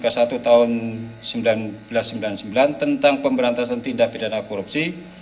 disangkakan melanggar pasal sembilan nurul sembilan belas ayat sembilan tentang pemerintah tindak bedana korupsi